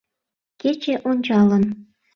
Кече ончалын.